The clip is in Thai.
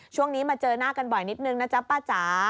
ช่วงนี้มาเจอหน้ากันบ่อยนิดนึงนะจ๊ะป้าจ๋า